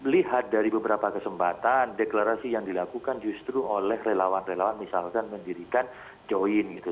lihat dari beberapa kesempatan deklarasi yang dilakukan justru oleh relawan relawan misalkan mendirikan join gitu